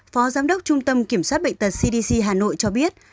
phó giám đốc trung tâm kiểm soát bệnh tật cdc hà nội cho biết